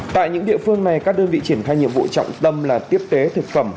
tại những địa phương này các đơn vị triển khai nhiệm vụ trọng tâm là tiếp tế thực phẩm